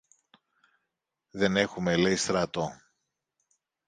Δεν έχουμε, λέει, στρατό!